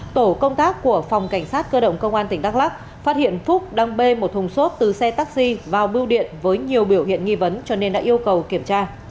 tổ công tác của phòng cảnh sát cơ động công an tỉnh đắk lắk phát hiện phúc đang bê một thùng xốp từ xe taxi vào bưu điện với nhiều biểu hiện nghi vấn cho nên đã yêu cầu kiểm tra